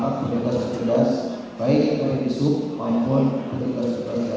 dan ruas ruas yang lainnya akan dilakukan penerbangan di wilayah jawa tengah